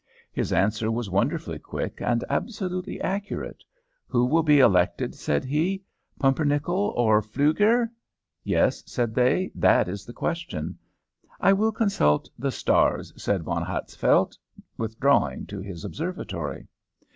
His answer was wonderfully quick, and absolutely accurate. 'Who will be elected,' said he, 'Pumpernickel or Pflueger?' 'Yes,' said they, 'that is the question.' 'I will consult the stars,' said Von Hatzfeldt, withdrawing to his observatory.